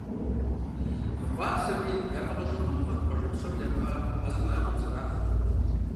Мыхъуапсэми, яфӏэгъэщӏэгъуэн хъунт, къуажэ псом ямыӏэ а зы унагъуэм зэраӏэр.